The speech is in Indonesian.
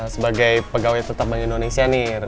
sebagai pegawai tetap bank indonesia nih